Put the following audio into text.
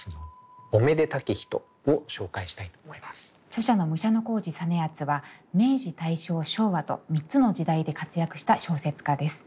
著者の武者小路実篤は明治大正昭和と３つの時代で活躍した小説家です。